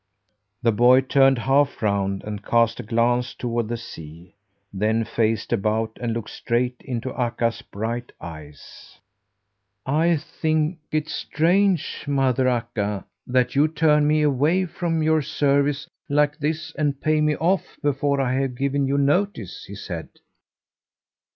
The boy turned half round and cast a glance toward the sea, then faced about and looked straight into Akka's bright eyes. "I think it strange, Mother Akka, that you turn me away from your service like this and pay me off before I have given you notice," he said.